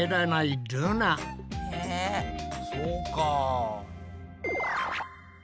そうか。